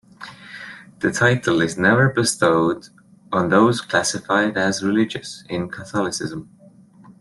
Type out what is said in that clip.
The title is never bestowed on those classified as religious in Catholicism.